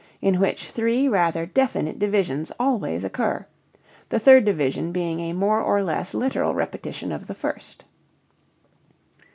in which three rather definite divisions always occur, the third division being a more or less literal repetition of the first.